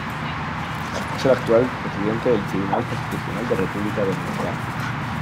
Es el actual presidente del Tribunal Constitucional de República Dominicana.